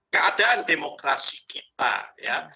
keadaan demokrasi kita ya